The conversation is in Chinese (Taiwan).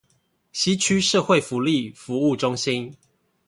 西區社會福利服務中心